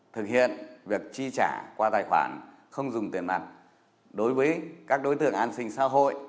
thực hiện việc chi trả qua tài khoản không dùng tiền mặt đối với các đối tượng an sinh xã hội